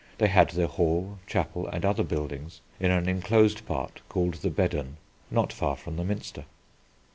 They had their hall, chapel, and other buildings in an enclosed part called the Bedern not far from the Minster.